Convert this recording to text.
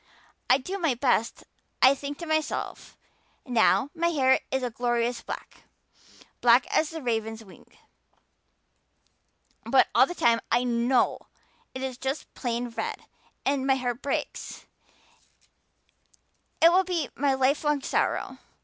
I do my best. I think to myself, 'Now my hair is a glorious black, black as the raven's wing.' But all the time I know it is just plain red and it breaks my heart. It will be my lifelong sorrow.